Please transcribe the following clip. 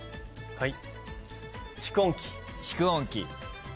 はい。